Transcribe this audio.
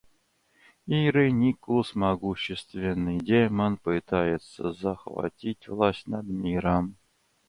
Иреникус, могущественный демон, пытается захватить власть над миром.